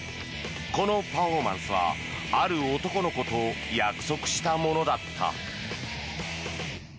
このパフォーマンスはある男の子と約束したものだった。